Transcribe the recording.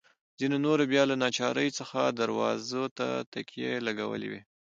ځینو نورو بیا له ناچارۍ څخه دروازو ته تکیې لګولي وې.